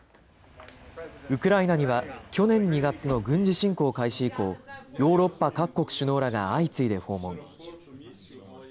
ウクライナには去年２月の軍事侵攻開始以降、ヨーロッパ各国首脳らが相次いで訪問。